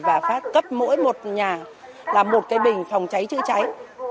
và cấp mỗi một nhà là một cái bình phòng cháy chữa cháy